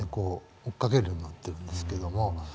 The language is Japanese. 追っかけるようになってるんですけども。